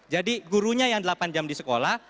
jadi gurunya yang delapan jam di sekolah